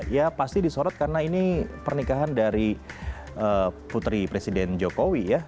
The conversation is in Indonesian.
ya pasti disorot karena ini pernikahan dari putri presiden jokowi ya